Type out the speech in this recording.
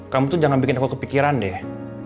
kamu tuh jangan bikin aku kepikiran deh